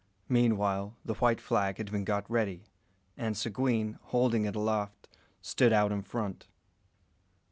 Meanwhile, the white flag had been got ready, and Seguin, holding it aloft, stood out in front.